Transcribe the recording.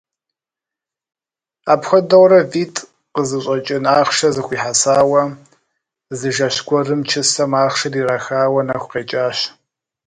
Апхуэдэурэ витӀ къызыщӀэкӀын ахъшэ зэхуихьэсауэ, зы жэщ гуэрым чысэм ахъшэр ирахауэ нэху къекӀащ.